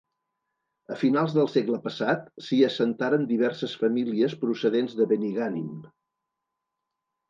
A finals del segle passat s'hi assentaren diverses famílies procedents de Benigànim.